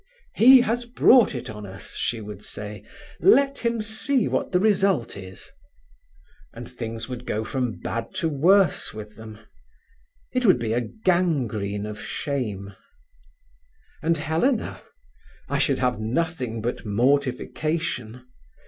'He has brought it on us,' she would say; 'let him see what the result is.' And things would go from bad to worse with them. It would be a gangrene of shame. "And Helena—I should have nothing but mortification.